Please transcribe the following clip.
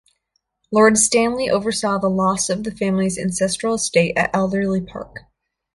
Lord Stanley oversaw the loss of the family's ancestral estate at Alderley Park.